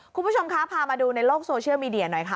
คุณผู้ชมคะพามาดูในโลกโซเชียลมีเดียหน่อยค่ะ